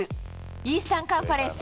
イースタンカンファレンス